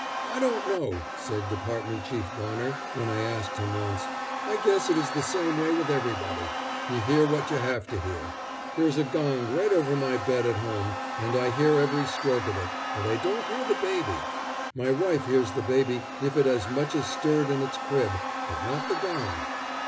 "I don't know," said Department Chief Bonner, when I asked him once. "I guess it is the same way with everybody. You hear what you have to hear. There is a gong right over my bed at home, and I hear every stroke of it, but I don't hear the baby. My wife hears the baby if it as much as stirs in its crib, but not the gong."